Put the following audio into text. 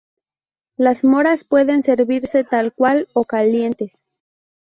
Las moras pueden servirse tal cual o calientes.